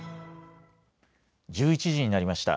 １１時になりました。